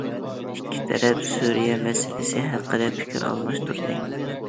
ئىككى تەرەپ سۈرىيە مەسىلىسى ھەققىدە پىكىر ئالماشتۇردى.